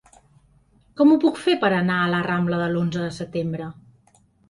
Com ho puc fer per anar a la rambla de l'Onze de Setembre?